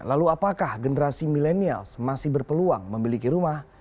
lalu apakah generasi milenial masih berpeluang memiliki rumah